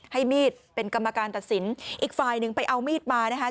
ให้มีดเป็นกรรมการตัดสินอีกฝ่ายหนึ่งไปเอามีดมานะคะ